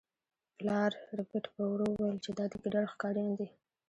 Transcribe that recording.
پلار ربیټ په ورو وویل چې دا د ګیدړ ښکاریان دي